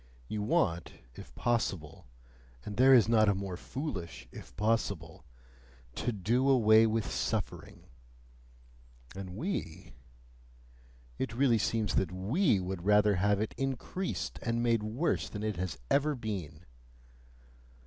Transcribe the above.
You want, if possible and there is not a more foolish "if possible" TO DO AWAY WITH SUFFERING; and we? it really seems that WE would rather have it increased and made worse than it has ever been!